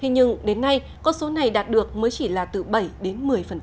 nhưng đến nay con số này đạt được mới chỉ là từ bảy đến một mươi